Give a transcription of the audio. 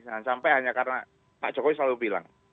jangan sampai hanya karena pak jokowi selalu bilang